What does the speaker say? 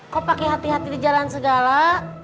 kok pakai hati hati di jalan segala